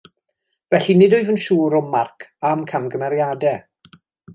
Felly, nid wyf yn siŵr o'm marc a'm camgymeriadau